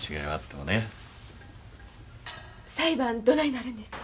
裁判どないなるんですか？